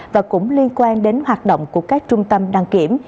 và cũng liên quan đến hoạt động của các trung tâm đăng kiểm